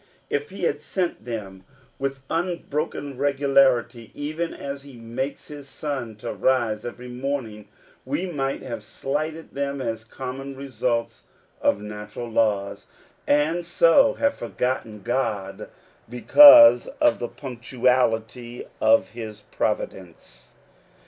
If he had sent them with unbroken regularity, even as he makes his sun to rise every morning, we might have slighted them as common results of natural laws, and so have forgotten God, because of the 58 According to the Promise. punctuality of his providence.